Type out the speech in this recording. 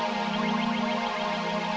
gak bertinggal sih